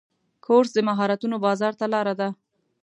کورس د مهارتونو بازار ته لاره ده.